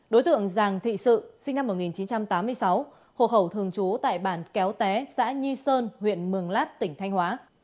đối tượng giàng thị sự sinh năm một nghìn chín trăm tám mươi sáu hộ khẩu thường trú tại bản kéo té xã nhi sơn huyện mường lát tỉnh thanh hóa